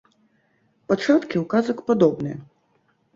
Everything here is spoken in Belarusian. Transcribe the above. Пачаткі у казак падобныя.